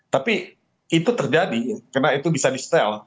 tapi itu terjadi karena itu bisa di stel